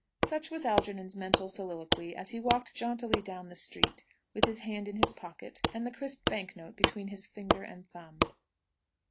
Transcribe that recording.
Such was Algernon's mental soliloquy as he walked jauntily down the street, with his hand in his pocket, and the crisp bank note between his finger and thumb.